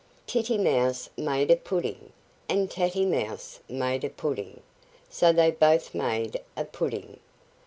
Titty Mouse made a pudding, and Tatty Mouse made a pudding, So they both made a pudding.